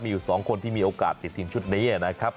มีอยู่๒คนที่มีโอกาสติดทีมชุดนี้นะครับ